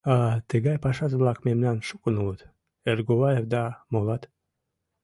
А тыгай пашазе-влак мемнан шукын улыт: Эргуваев да молат.